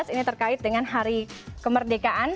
ini terkait dengan hari kemerdekaan